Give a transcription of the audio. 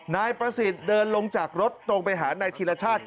นายประสิทธิ์เดินลงจากรถตรงไปหานายธีรชาติ